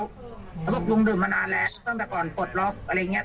เขาบอกลุงดื่มมานานแล้วตั้งแต่ก่อนปลดล็อกอะไรอย่างนี้